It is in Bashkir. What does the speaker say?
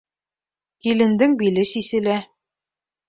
Килендең биле сиселә.